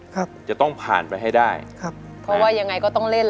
ครับจะต้องผ่านไปให้ได้ครับเพราะว่ายังไงก็ต้องเล่น